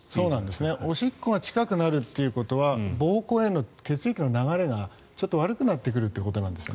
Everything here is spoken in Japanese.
おしっこが近くなるということは膀胱への血液の流れがちょっと悪くなってくるということなんです。